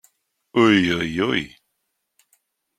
Ui ui ui!